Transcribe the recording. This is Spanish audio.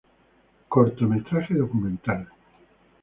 Cortometraje documental.